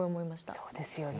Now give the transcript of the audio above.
そうですよね。